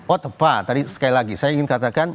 ot apa tadi sekali lagi saya ingin katakan